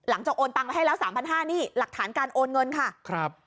หลังจากโอนตังให้แล้ว๓๕๐๐บาทนี่หลักฐานการโอนเงินค่ะครับ